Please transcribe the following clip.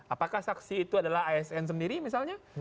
apakah saksi itu adalah asn sendiri misalnya